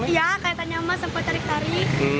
iya kayak tanya emang sempat ditarik tarik